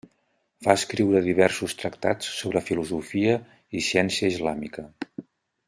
Va escriure diversos tractats sobre filosofia i ciència islàmica.